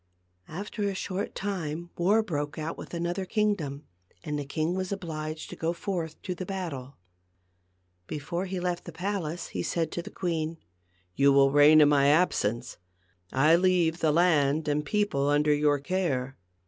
After a short time war broke out with another kingdom, and the king was obliged to go forth to the battle. Before he left the palace he said to the queen, "You will reign in my absence. I leave the land and people under your care.